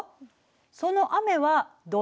その雨はどうなる？